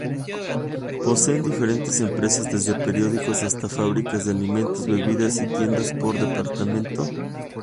Poseen diferentes empresas desde periódicos hasta fábricas de alimentos, bebidas y tiendas por departamento.